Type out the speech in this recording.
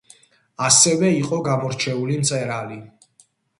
ასევე იყო გამორჩეული მწერალი.